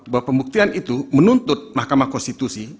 bahwa pembuktian itu menuntut mahkamah konstitusi